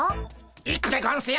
行くでゴンスよ！